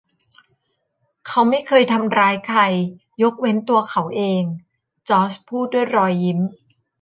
“เขาไม่เคยทำร้ายใคร ยกเว้นตัวเขาเอง” จอร์จพูดด้วยรอยยิ้ม